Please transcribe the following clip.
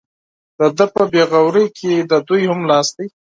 د ده په بې غورۍ کې د دوی هم لاس دی.